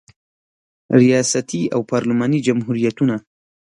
ریاستي او پارلماني جمهوریتونه